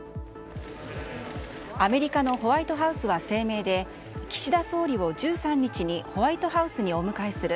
アメリカのホワイトハウスは声明で岸田総理を１３日にホワイトハウスにお迎えする。